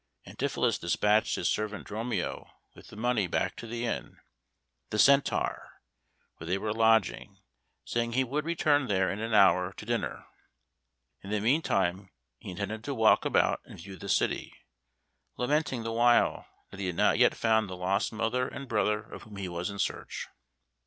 Antipholus despatched his servant Dromio with the money back to the inn the "Centaur" where they were lodging, saying he would return there in an hour to dinner. In the meantime he intended to walk about and view the city, lamenting the while that he had not yet found the lost mother and brother of whom he was in search.